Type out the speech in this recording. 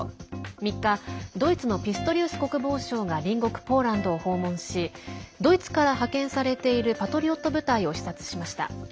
３日、ドイツのピストリウス国防相が隣国ポーランドを訪問しドイツから派遣されているパトリオット部隊を視察しました。